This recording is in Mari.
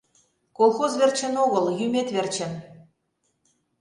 Колхоз верчын огыл, йӱмет верчын.